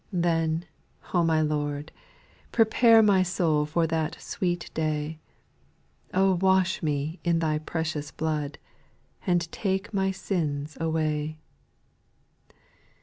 Then, O my Lord, prepare My soul for that sweet day; wash me in Thy precious blood, And take my sins away.